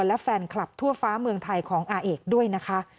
และแฟนคลับทั่วฟ้าเมืองไทยของอาเอกด้วยนะคะ